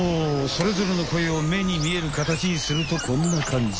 それぞれの声をめに見えるかたちにするとこんなかんじ。